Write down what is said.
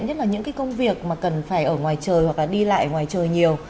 nhất là những công việc mà cần phải ở ngoài trời hoặc đi lại ngoài trời nhiều